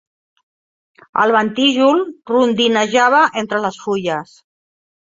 El ventijol rondinejava entre les fulles.